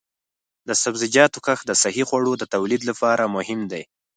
د سبزیجاتو کښت د صحي خوړو د تولید لپاره مهم دی.